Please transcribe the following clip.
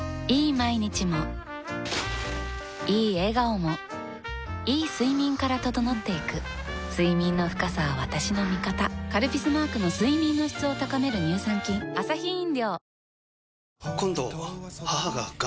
毎日もいい笑顔もいい睡眠から整っていく睡眠の深さは私の味方「カルピス」マークの睡眠の質を高める乳酸菌あっ！